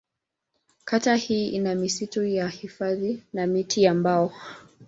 Kata hii ina misitu ya hifadhi na miti ya mbao.